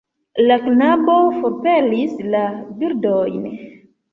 La knabo forpelis la birdojn.